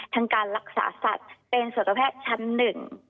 ทั้งการรักษาสัตว์เป็นสัตวแพทย์ชั้นหนึ่ง